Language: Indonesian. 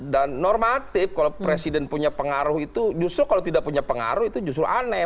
dan normatif kalau presiden punya pengaruh itu justru kalau tidak punya pengaruh itu justru aneh